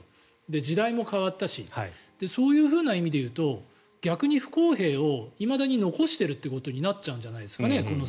時代も変わったしそういうふうな意味で言うと逆に不公平をいまだに残しているということになっちゃうんじゃないですかね。